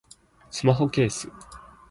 スマホケース